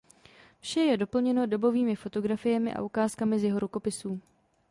Vše je doplněno dobovými fotografiemi a ukázkami z jeho rukopisů.